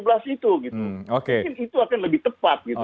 mungkin itu akan lebih tepat gitu